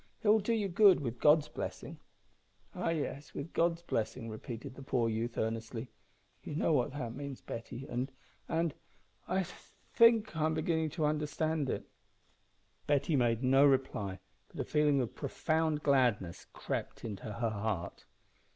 It will do you good, with God's blessing." "Ah, yes, with God's blessing," repeated the poor youth, earnestly. "You know what that means, Betty, and and I think I am beginning to understand it." Betty made no reply, but a feeling of profound gladness crept into her heart.